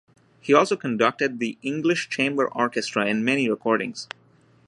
He also conducted the English Chamber Orchestra in many recordings.